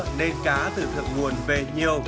mưa nên cá từ thượng nguồn về nhiều